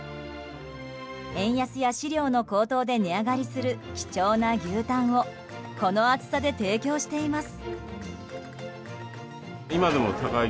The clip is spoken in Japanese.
円安や飼料の高騰で値上がりする貴重な牛タンをこの厚さで提供しています。